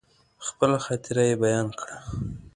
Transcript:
خپله خاطره يې بيان کړه.